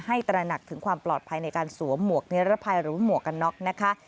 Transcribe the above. ตระหนักถึงความปลอดภัยในการสวมหมวกนิรภัยหรือว่าหมวกกันน็อกนะคะ